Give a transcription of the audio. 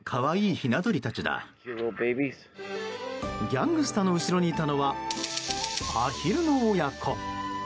ギャングスタの後ろにいたのはアヒルの親子。